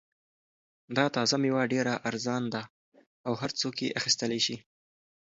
دا تازه مېوه ډېره ارزان ده او هر څوک یې اخیستلای شي.